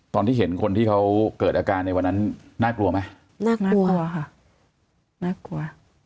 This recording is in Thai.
ตอนที่เห็นคนที่เขาเกิดอาการในวันนั้นน่ากลัวไหมน่ากลัวค่ะน่ากลัว